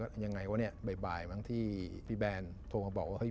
เสียงไหนวะเนี่ยบ่ายมั้งพี่แบลต้องมาบอกมาว่า